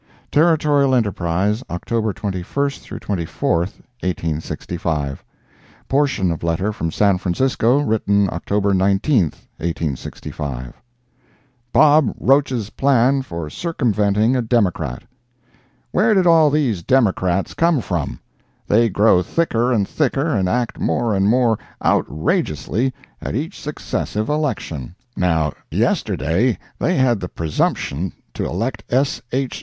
Territorial Enterprise, October 21 24, 1865 [portion of letter from San Francisco written October 19, 1865] BOB ROACH'S PLAN FOR CIRCUMVENTING A DEMOCRAT Where did all these Democrats come from? They grow thicker and thicker and act more and more outrageously at each successive election. Now yesterday they had the presumption to elect S. H.